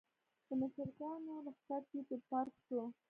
د مشرکانو لښکر تیت و پرک شو.